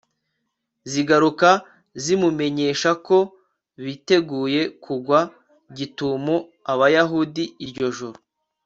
zigaruka zimumenyesha ko biteguye kugwa gitumo abayahudi iryo joro